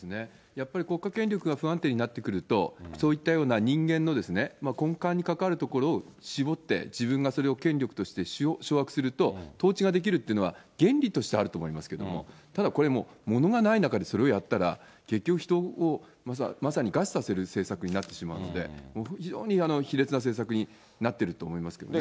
やっぱり国家権力が不安定になってくると、そういったような人間の根幹に関わるところを絞って、自分がそれを権力として掌握すると統治ができるっていうのは、原理としてあると思いますけれども、ただ、これもう物がない中で、それをやったら、結局、人を、まさに餓死させる政策になってしまうので、非常に卑劣な政策になってると思いますけどね。